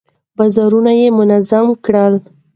بازارونه يې منظم کړل.